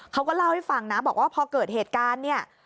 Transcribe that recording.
เขาก็เล่าให้ฟังนะบอกว่าพอเกิดเหตุการณ์เนี่ย